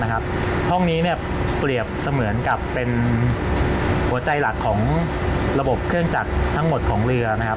ห้องนี้เปรียบเสมือนกับเป็นหัวใจหลักของระบบเครื่องจักรทั้งหมดของเรือนะครับ